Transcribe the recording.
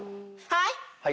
はい。